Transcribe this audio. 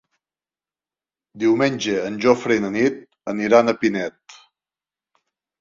Diumenge en Jofre i na Nit aniran a Pinet.